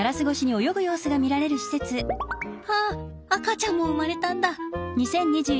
あっ赤ちゃんも生まれたんだ。